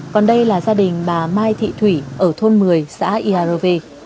còn đây là gia đình bà mai thị thủy ở thôn một mươi xã ia rovê